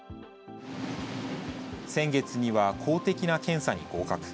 先月には公的な検査に合格。